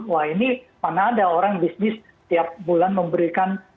wah ini mana ada orang bisnis tiap bulan memberikan